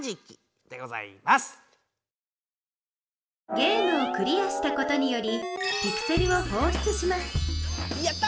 ゲームをクリアしたことによりピクセルをほうしゅつしますやった！